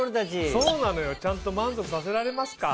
そうなのよちゃんと満足させられますか？